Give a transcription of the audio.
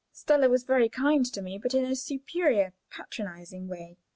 Stella was very kind to me, but in a superior, patronizing way.